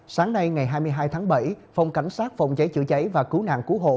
sáng nay ngày hai mươi hai tháng bảy phòng cảnh sát phòng cháy chữa cháy và cứu nạn cứu hộ